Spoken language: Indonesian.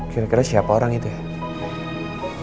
kira kira siapa orang itu ya